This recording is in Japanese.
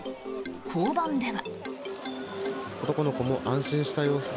交番では。